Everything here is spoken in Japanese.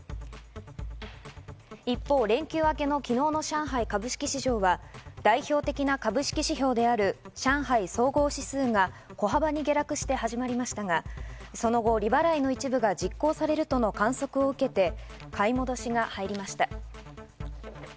一方、連休明けの昨日の上海株式市場は代表的な株式指標である上海総合指数が小幅に下落して始まりましたが、その後、利払いの一部が実行されるとの観測を受けて買い戻しが入りました。